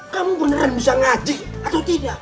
kamu beneran bisa ngaji atau tidak